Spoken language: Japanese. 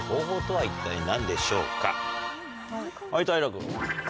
はい平君。